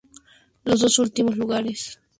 Los dos últimos lugares eran relegados al descenso.